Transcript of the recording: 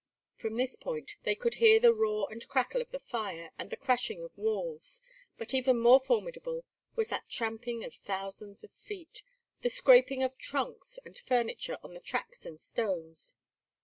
From this point they could hear the roar and crackle of the fire and the crashing of walls; but even more formidable was that tramping of thousands of feet, the scraping of trunks and furniture on the tracks and stones.